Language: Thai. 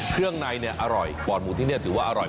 เครื่องในเนี่ยอร่อยปอดหมูที่นี่ถือว่าอร่อย